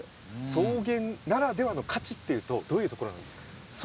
草原ならではの価値というとどういうところですか？